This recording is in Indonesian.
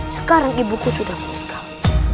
sekarang ibuku sudah meninggal